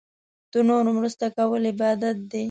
د نورو مرسته کول عبادت دی.